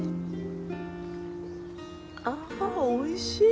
あおいしい。